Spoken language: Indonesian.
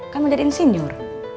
kan mau jadi insinyur